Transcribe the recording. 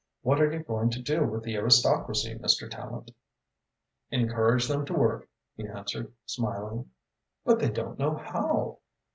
What are you going to do with the aristocracy, Mr. Tallente?" "Encourage them to work," he answered, smiling. "But they don't know how."